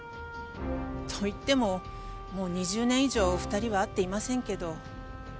と言ってももう２０年以上２人は会っていませんけど。